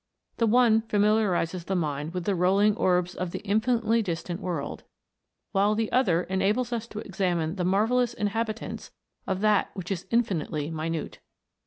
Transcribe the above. The one familiarizes the mind with the rolling orbs of the infinitely distant world, while the other enables us to examine the marvellous inhabitants of that which is infinitely minute.